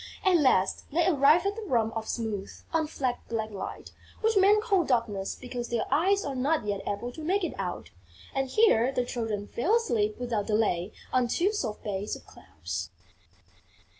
At last, they arrived at the room of smooth, unflecked Black Light, which men call Darkness because their eyes are not yet able to make it out. And here the Children fell asleep without delay on two soft beds of clouds.